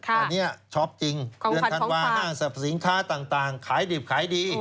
ตอนนี้ช็อปจริงเดือนธันวาห้างสรรพสินค้าต่างขายดิบขายดี